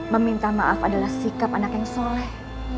meminta maaf adalah sikap anak yang soleh